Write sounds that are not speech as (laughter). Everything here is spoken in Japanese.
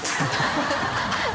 ハハハ (laughs)